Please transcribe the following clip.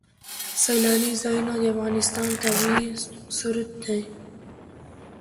سیلانی ځایونه د افغانستان طبعي ثروت دی.